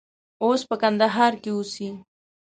اوس په کندهار کې اوسي.